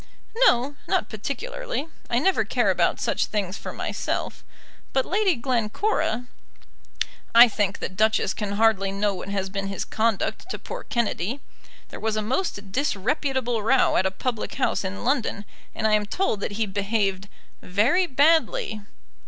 "No not particularly. I never care about such things for myself; but Lady Glencora " "I think the Duchess can hardly know what has been his conduct to poor Kennedy. There was a most disreputable row at a public house in London, and I am told that he behaved very badly."